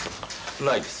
ないです。